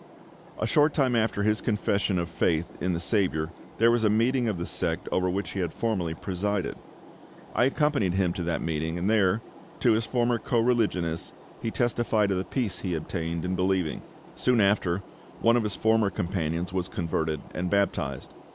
A short time after his confession of faith in the SAVIOUR there was a meeting of the sect over which he had formerly presided. I accompanied him to that meeting, and there, to his former co religionists, he testified of the peace he had obtained in believing. Soon after, one of his former companions was converted and baptized.